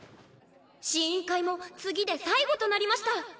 試飲会も次で最後となりました！